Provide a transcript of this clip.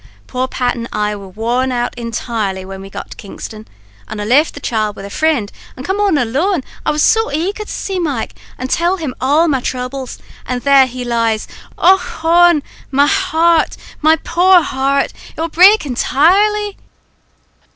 Poor Pat an' I were worn out entirely whin we got to Kingston, an' I left the child wid a frind, an' came on alone, I was so eager to see Mike, an' tell him all my throubles; an' there he lies, och hone! my heart, my poor heart, it will break entirely."